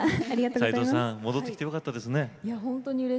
齊藤さん、戻ってきてよかったですね。